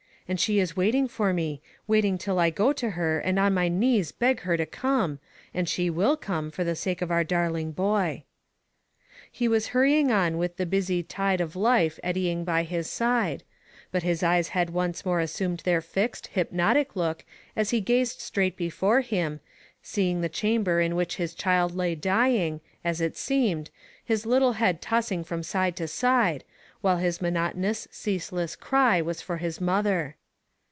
And she is waiting for me — wait ing till I go to her and on my knees beg her to come, and she will come, for the sake of our dar ling boy." He was hurrying on with the busy tide of life eddying by his side, but his eyes had once more assumed their fixed, hypnotic look as he gazed straight before him, seeing the chamber in which his child lay dying, as it seemed, his little head tossing from side to side, while his monotonous, ceaseless cry was for his mother.